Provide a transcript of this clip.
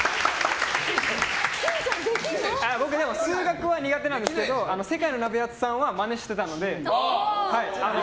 僕、数学は苦手なんですけど世界のナベアツさんはマネしてたので。